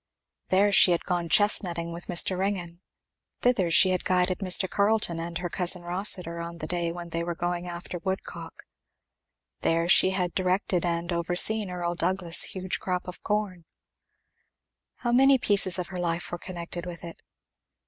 There she had gone chestnutting with Mr. Ringgan thither she had guided Mr. Carleton and her cousin Rossitur that day when they were going after wood cock there she had directed and overseen Earl Douglass's huge crop of corn. How many pieces of her life were connected with it.